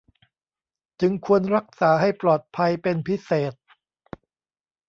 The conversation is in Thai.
จึงควรรักษาให้ปลอดภัยเป็นพิเศษ